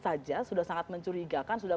saja sudah sangat mencurigakan sudah